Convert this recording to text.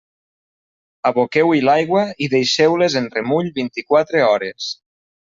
Aboqueu-hi l'aigua i deixeu-les en remull vint-i-quatre hores.